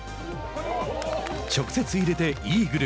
直接入れてイーグル。